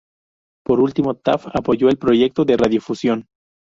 Por último, Taft apoyó el proyecto de radiodifusión.